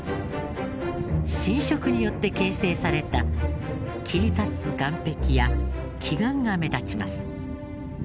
侵食によって形成された切り立つ岩壁や奇岩が目立ちます。